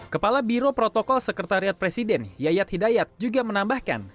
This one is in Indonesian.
kepala biro protokol sekretariat presiden yayat hidayat juga menambahkan